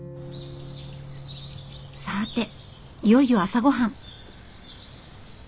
さていよいよ朝ごはん。